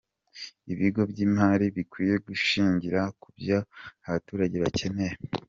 Ibigo by’imari bikwiye gushingira ku byo abaturage bakeneye.